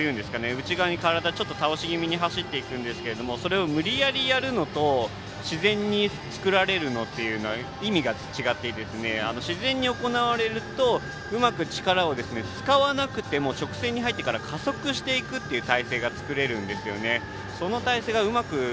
内側にちょっと倒し気味には走っていくんですがそれを無理やりやるのと自然に作られるのとでは意味が違って、自然に行われるとうまく力を使わなくても直線に入ってから加速していくっていう態勢が作れるんですよね。